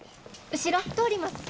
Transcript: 後ろ通ります。